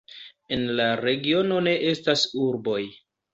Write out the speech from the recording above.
En la regiono ne estas urboj.